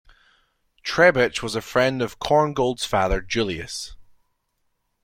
Trebitsch was a friend of Korngold's father Julius.